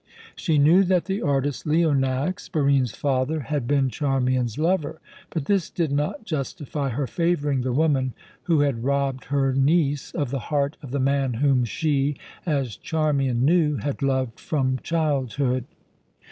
She knew that the artist Leonax, Barine's father, had been Charmian's lover; but this did not justify her favouring the woman who had robbed her niece of the heart of the man whom she as Charmian knew had loved from childhood.